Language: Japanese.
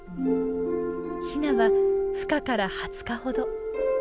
ヒナはふ化から２０日ほど。